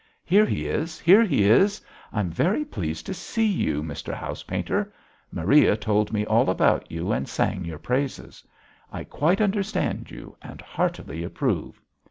"Here he is! Here he is! I'm very pleased to see you, Mr. House painter! Maria told me all about you and sang your praises. I quite understand you and heartily approve."